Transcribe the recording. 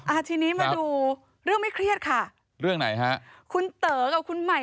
อ่าทีนี้มาดูเรื่องไม่เครียดค่ะเรื่องไหนฮะคุณเต๋อกับคุณใหม่